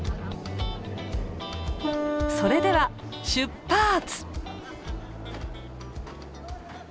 それでは出発！